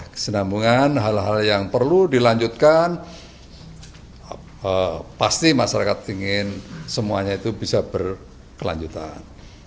kesenambungan hal hal yang perlu dilanjutkan pasti masyarakat ingin semuanya itu bisa berkelanjutan